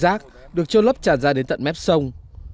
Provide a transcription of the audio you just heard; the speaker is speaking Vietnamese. rác được trôn lấp tràn ra đến tận mép sông